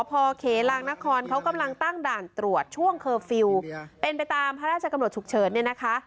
พอเขลางนครเขากำลังตั้งด่านตรวจช่วงเคอร์ฟิลล์เป็นไปตามพระราชกำหนดฉุกเฉินเนี่ยนะคะ